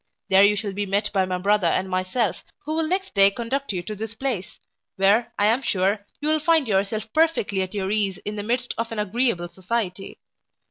There you shall be met by my brother and myself, who will next day conduct you to this place, where, I am sure, you will find yourself perfectly at your case in the midst of an agreeable society.